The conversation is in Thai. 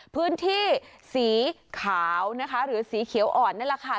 พื้นที่สีขาวนะคะหรือสีเขียวอ่อนนั่นแหละค่ะ